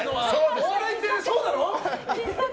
お笑いってそうなの？